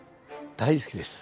大好きです。